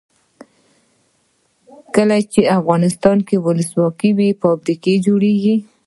کله چې افغانستان کې ولسواکي وي فابریکې جوړیږي.